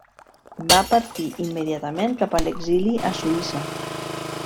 Va partir immediatament cap a l'exili a Suïssa.